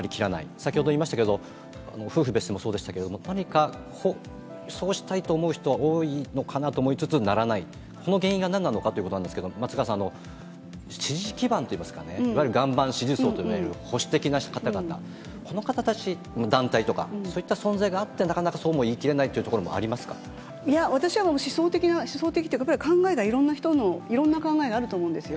先ほど言いましたけど、夫婦別姓もそうでしたけれども、何かそうしたいと思う人は多いのかなと思いつつ、ならない、この原因がなんなのかということなんですけど、松川さん、支持基盤といいますかね、いわゆる岩盤支持層といわれる、保守的な方々、この方たちの団体とか、そういった存在があって、なかなかそうも言い切れないということいや、私はもう思想的な、思想的というか、やっぱり、考えがいろんな人の、いろんな考えがあると思うんですよ。